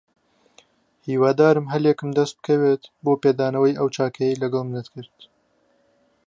هیوادارم هەلێکم دەست بکەوێت بۆ پێدانەوەی ئەو چاکەیەی لەگەڵ منت کرد.